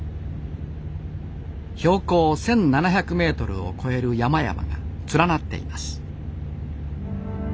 標高１，７００ｍを超える山々が連なっています